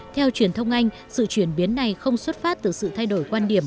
theo truyền thông anh sự chuyển biến này không xuất phát từ sự thay đổi quan điểm